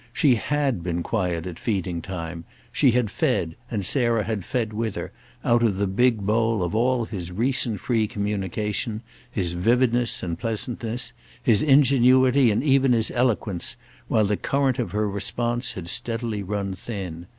She had been quiet at feeding time; she had fed, and Sarah had fed with her, out of the big bowl of all his recent free communication, his vividness and pleasantness, his ingenuity and even his eloquence, while the current of her response had steadily run thin.